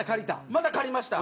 また借りました。